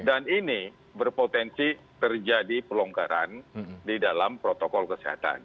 dan ini berpotensi terjadi pelonggaran di dalam protokol kesehatan